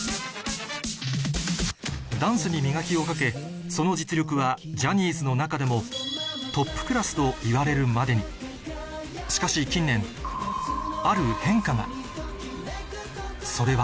ダンスに磨きをかけその実力はジャニーズの中でもといわれるまでにしかし近年ある変化がそれは